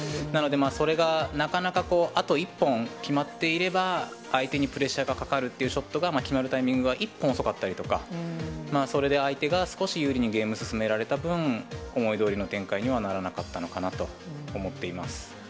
なので、それがなかなかこう、あと一本決まっていれば、相手にプレッシャーがかかるっていうショットが決まるタイミングが一本遅かったりだとか、それで相手が少し有利にゲーム進められた分、思いどおりの展開にはならなかったのかなと思っています。